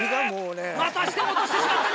またしても落としてしまった宮川。